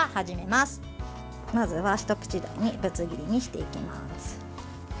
まずは一口大にぶつ切りにしていきます。